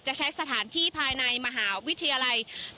จะใช้สถานที่ภายในมหาวิทยาลัยธรรมศาสตร์